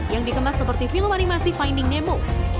yang dikemas seperti film animasi finding nemo